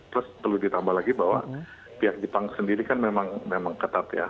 terus perlu ditambah lagi bahwa pihak jepang sendiri kan memang ketat ya